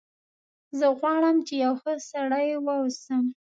زه غواړم چې یو ښه سړی و اوسم